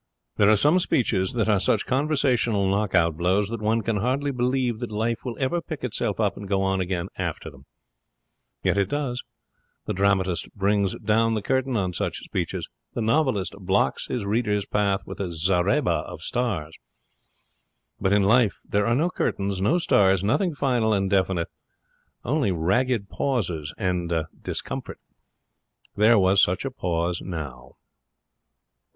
There are some speeches that are such conversational knockout blows that one can hardly believe that life will ever pick itself up and go on again after them. Yet it does. The dramatist brings down the curtain on such speeches. The novelist blocks his reader's path with a zareba of stars. But in life there are no curtains, no stars, nothing final and definite only ragged pauses and discomfort. There was such a pause now.